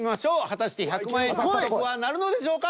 果たして１００万円獲得はなるのでしょうか？